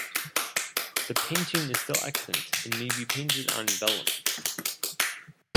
The painting is still extant and may be painted on vellum.